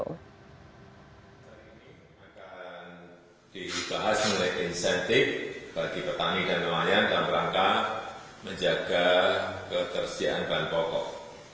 ini akan dibahas melalui insentif bagi petani dan layan dalam rangka menjaga ketersediaan dan pokok